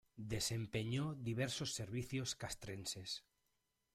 Desempeñó diversos servicios castrenses.